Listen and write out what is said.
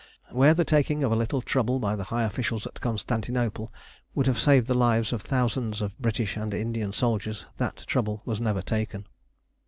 Where the taking of a little trouble by the high officials at Constantinople would have saved the lives of thousands of British and Indian soldiers, that trouble was never taken.